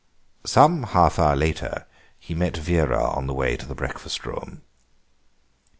Some half hour later he met Vera on the way to the breakfast room.